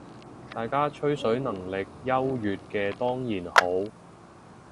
大家吹水能力優越嘅當然好